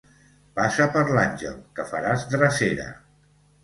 Passa per l'Àngel, que faràs drecera.